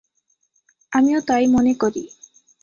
আমিও তাই মনে করি।